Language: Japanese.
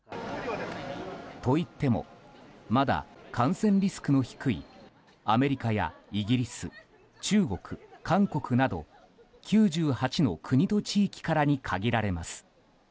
といってもまだ感染リスクの低いアメリカやイギリス中国、韓国など９８の国と地域からに限られます。